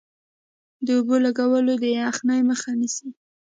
د اوبو لګول د یخنۍ مخه نیسي؟